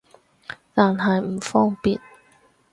但係唔方便